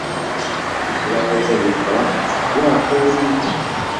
Isṛayil ad ifreḥ, Yeɛqub ad izhu.